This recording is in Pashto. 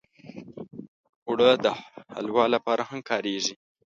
اوړه د حلوا لپاره هم کارېږي